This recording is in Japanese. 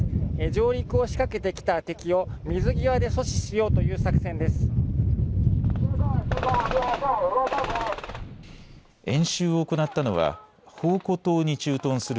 上陸を仕掛けてきた敵を水際で阻止しようという作戦です。